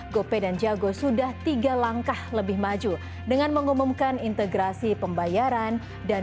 gope dan jago sudah tiga langkah lebih maju dengan mengumumkan integrasi pembayaran dan